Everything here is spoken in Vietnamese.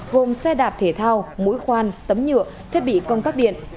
gồm xe đạp thể thao mũi khoan tấm nhựa thiết bị công tắc điện